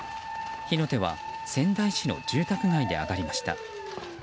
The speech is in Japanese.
火の手は仙台市の住宅街で上がりました。